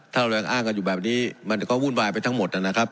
ถ้าเรายังอ้างกันอยู่แบบนี้มันก็วุ่นวายไปทั้งหมดนะครับ